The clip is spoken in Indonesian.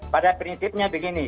pada prinsipnya begini